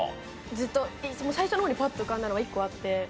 ずっと最初の方にパッと浮かんだのが１個あって。